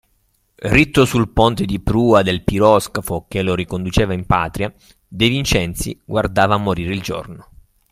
Ritto sul ponte di prua del piroscafo, che lo riconduceva in patria, De Vincenzi guardava morire il giorno.